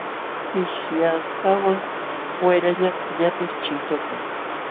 Qishyakaqwan wayralla qillaypis chinkakun.